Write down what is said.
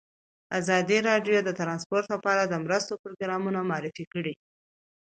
ازادي راډیو د ترانسپورټ لپاره د مرستو پروګرامونه معرفي کړي.